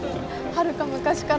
はるか昔から。